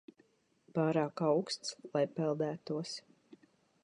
Pārāk auksts, lai peldētos.